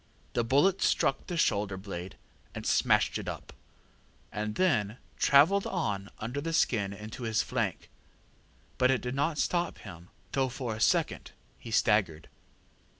The bullet struck the shoulder blade and smashed it up, and then travelled on under the skin into his flank; but it did not stop him, though for a second he staggered.